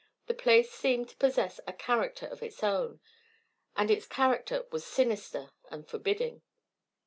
The place seemed to possess a character of its own, and its character was sinister and forbidding.